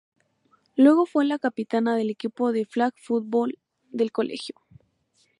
Luego fue la capitana del equipo de flag football del colegio.